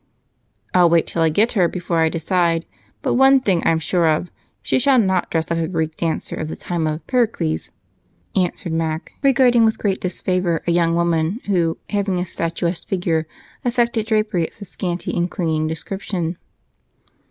"I'll wait till I get her before I decide. But one thing I'm sure of she shall not dress like a Greek dancer of the time of Pericles," answered Mac, regarding with great disfavor a young lady who, having a statuesque figure, affected drapery of the scanty and clinging description.